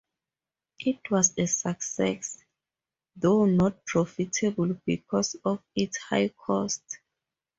It was a success, though not profitable because of its high cost.